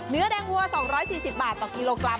เนื้อแดงวัว๒๔๐บาทต่อกิโลกรัม